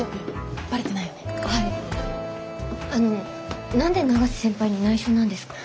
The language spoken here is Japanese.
あの何で永瀬先輩に内緒なんですか？